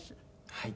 はい。